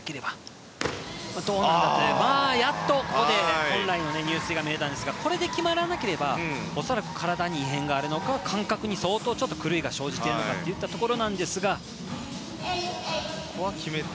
やっとここで本来の入水が見れたんですがこれで決まらなければ恐らく体に異変があるのか感覚に狂いが生じているのかというところですが。